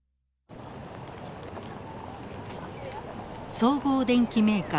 総合電機メーカー